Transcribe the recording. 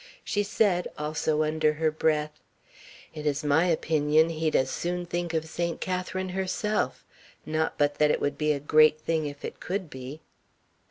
she said, also under her breath. "It is my opinion he'd as soon think of Saint Catharine herself! Not but that it would be a great thing if it could be!"